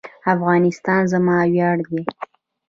افغانستان زما ویاړ دی